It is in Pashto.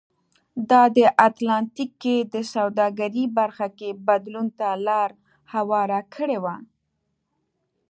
دا د اتلانتیک کې د سوداګرۍ برخه کې بدلون ته لار هواره کړې وه.